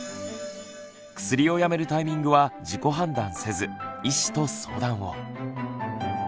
薬をやめるタイミングは自己判断せず医師と相談を。